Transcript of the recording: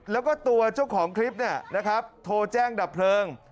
แล้วก็ตัวเจ้าของคลิปเนี่ยนะครับโทรแจ้งดับเพลิง